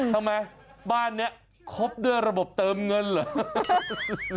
ทำไมบ้านนี้ครบด้วยระบบเติมเงินเหรอ